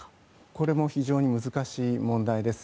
これも非常に難しい問題です。